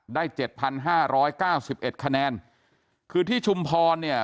ได้เจ็ดพันห้าร้อยเก้าสิบเอ็ดคะแนนคือที่ชุมพรเนี่ย